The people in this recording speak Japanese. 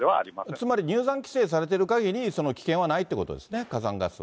つまり入山規制されてるかぎり、危険はないということですね、